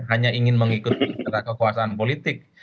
hanya ingin mengikuti kekuasaan politik